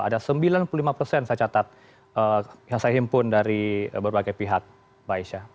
ada sembilan puluh lima persen saya catat yang saya himpun dari berbagai pihak mbak aisyah